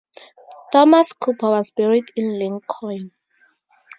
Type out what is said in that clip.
Thomas Cooper was buried in Lincoln.